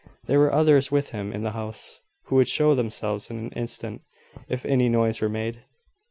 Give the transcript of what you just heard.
There were others with him in the house, who would show themselves in an instant, if any noise were made.